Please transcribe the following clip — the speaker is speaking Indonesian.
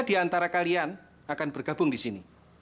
di antara kalian akan bergabung di sini